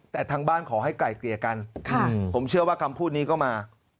แต่ทางบ้านขอให้ไกลเกลี่ยกันผมเชื่อว่าคำพูดนี้ก็มา